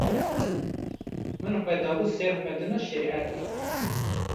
min xwe dabû ser xwendina şerîetê